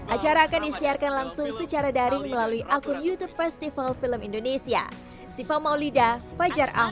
acara akan disiarkan langsung secara daring melalui akun youtube festival film indonesia